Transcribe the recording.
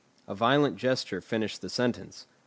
A violent gesture finished the sentence.